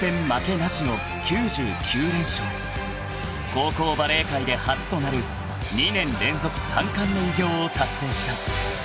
［高校バレー界で初となる２年連続３冠の偉業を達成した］